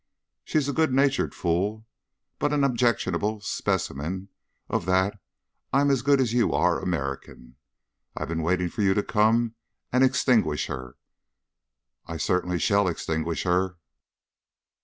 She's a good natured fool, but an objectionable specimen of that 'I'm as good as you are' American. I've been waiting for you to come and extinguish her." "I certainly shall extinguish her."